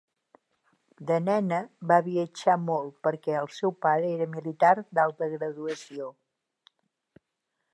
De nena, va viatjar molt perquè el seu pare era militar d'alta graduació.